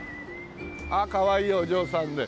ああかわいいお嬢さんで。